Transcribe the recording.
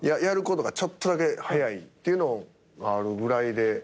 やることがちょっとだけ早いっていうのがあるぐらいで。